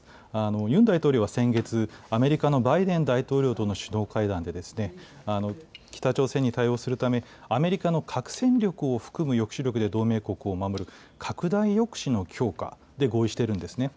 ユン大統領は先月、アメリカのバイデン大統領との首脳会談で、北朝鮮に対応するため、アメリカの核戦力を含む抑止力で同盟国を守る拡大抑止の強化で合意してるんですね。